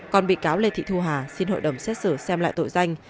còn bị cáo lê thị thu hà xin hội đồng xét xử xem lại tội danh